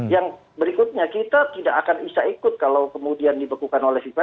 yang berikutnya kita tidak akan bisa ikut kalau kemudian dibekukan oleh fifa